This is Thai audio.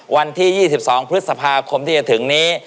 วันที่๒๒พฤษภาคมที่จะถึงนี้